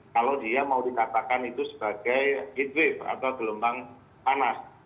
kalau dia mau dikatakan itu sebagai heat wave atau gelombang panas